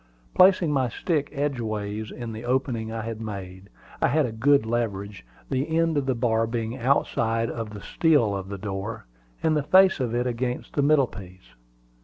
Placing my stick edgeways in the opening I had made, I had a good leverage, the end of the bar being outside of the stile of the door, and the face of it against the middle piece.